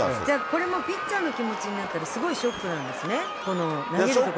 これもピッチャーの気持ちになったら、すごいショックなんですね、この投げる所なくなって。